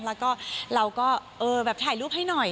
แล้วก็เราก็เออแบบถ่ายรูปให้หน่อย